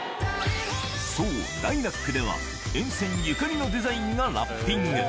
そう、ライラックでは、沿線ゆかりのデザインがラッピング。